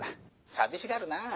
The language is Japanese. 寂しがるなぁ。